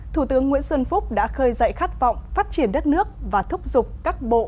thủ tướng nguyễn xuân phúc đã khơi dậy khát vọng phát triển đất nước và thúc giục các bộ